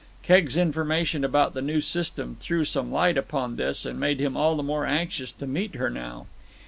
Keggs' information about the new system threw some light upon this and made him all the more anxious to meet her now.